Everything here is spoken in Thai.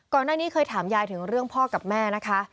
ก่อนหน้านี้เคยถามยายถึงเรื่องพ่อกับแม่นะคะ